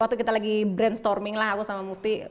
waktu kita lagi brainstorming lah aku sama move team